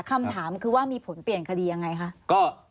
คำถามคือว่ามีผลเปลี่ยนคดียังไงคะ